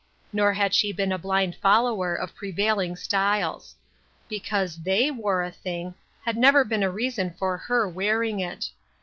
Nor had she been a blind follower of prevailing styles. Because "they" wore a thing, had never been a reason for her wearing it.